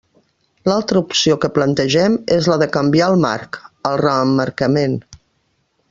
L'altra opció que plantegem és la de canviar el marc: el reemmarcament.